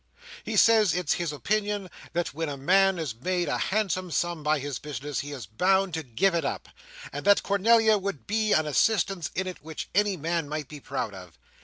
He says it's his opinion that when a man has made a handsome sum by his business, he is bound to give it up; and that Cornelia would be an assistance in it which any man might be proud of.